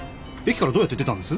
駅からどうやって出たんです？